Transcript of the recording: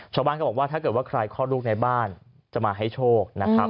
ชาวบ้านก็บอกว่าถ้าเกิดว่าใครคลอดลูกในบ้านจะมาให้โชคนะครับ